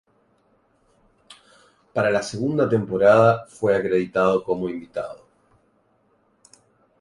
Para la segunda temporada, fue acreditado como invitado.